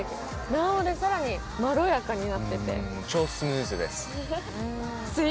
卵黄でさらにまろやかになってて。